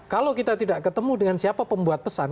kalau kita tidak ketemu dengan siapa pembuat pesan